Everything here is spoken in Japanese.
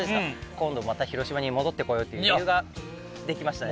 今度また広島に戻ってこれる理由ができましたね。